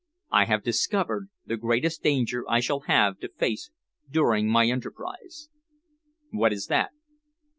"I have discovered the greatest danger I shall have to face during my enterprise." "What is that?"